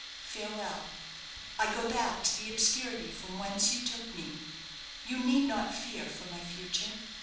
Farewell! I go back to the obscurity from whence you took me. You need not fear for my future.